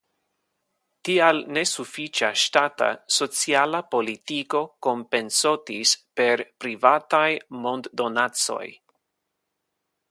Tial nesufiĉa ŝtata sociala politiko kompensotis per privataj monddonacoj.